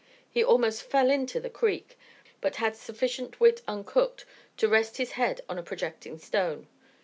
He almost fell into the creek, but had sufficient wit uncooked to rest his head on a projecting stone.